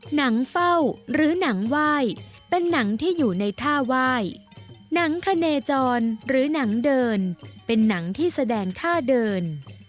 หนังเฝ้าหรือหนังไหว้เป็นหนังที่อยู่ในท่าไหว้หนังคเนจรหรือหนังเดินเป็นหนังที่แสดงท่าเดิน